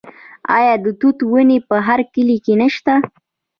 آیا د توت ونې په هر کلي کې نشته؟